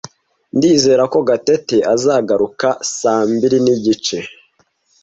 Ndizera ko Gatete azagaruka saa mbiri n'igice.